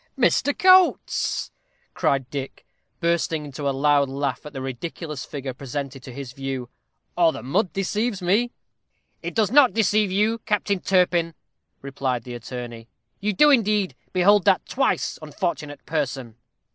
"Mr. Coates!" cried Dick, bursting into a loud laugh at the ridiculous figure presented to his view, "or the mud deceives me." "It does not deceive you, Captain Turpin," replied the attorney; "you do, indeed, behold that twice unfortunate person."